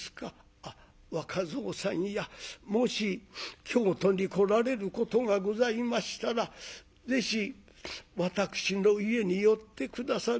あっ若蔵さんやもし京都に来られることがございましたらぜひ私の家に寄って下され。